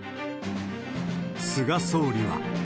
菅総理は。